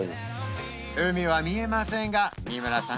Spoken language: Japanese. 海は見えませんが三村さん